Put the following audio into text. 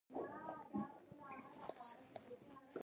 احمد وويل: وخت هلته ورو دی.